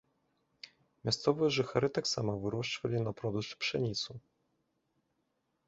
Мясцовыя жыхары таксама вырошчвалі на продаж пшаніцу.